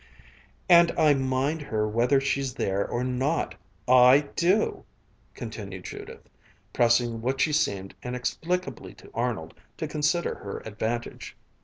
"And I mind her whether she's there or not! I do!" continued Judith, pressing what she seemed, inexplicably to Arnold, to consider her advantage.